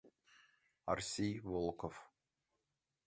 АРСИЙ ВОЛКОВ